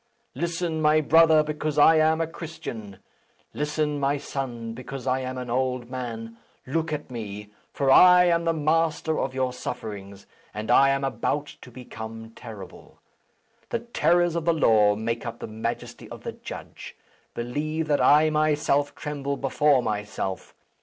Listen, my brother, because I am a Christian! Listen, my son, because I am an old man! Look at me; for I am the master of your sufferings, and I am about to become terrible. The terrors of the law make up the majesty of the judge. Believe that I myself tremble before myself.